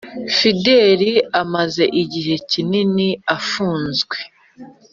fideli amaze igihe kinini afunzwe